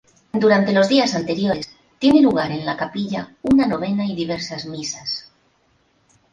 Durante los días anteriores, tiene lugar en la capilla una novena y diversas misas.